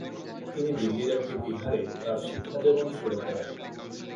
তিনি দিল্লির একটি বিহারে তার শিক্ষাজীবন শুরু করেন।